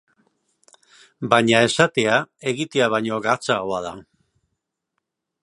Baina esatea egitea baino gaitzagoa da.